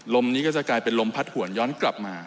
ลมนี้ก็จะกลายเป็นลมพัดหวนย้อนกลับมา